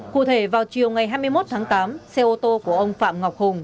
cụ thể vào chiều ngày hai mươi một tháng tám xe ô tô của ông phạm ngọc hùng